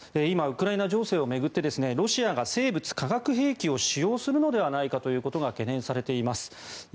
今、ウクライナ情勢を巡ってロシアが生物・化学兵器を使用するのではないかということが懸念されています。